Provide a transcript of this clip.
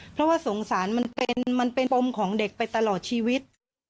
เพราะว่าสงสารมันเป็นมันเป็นปมของเด็กไปตลอดชีวิต